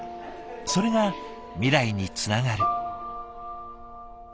それが未来につながる。